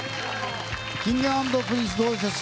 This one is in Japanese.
Ｋｉｎｇ＆Ｐｒｉｎｃｅどうでした？